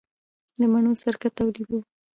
د مڼو سرکه تولیدوو؟